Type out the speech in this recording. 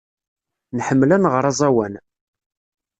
Nḥemmel ad nɣer aẓawan.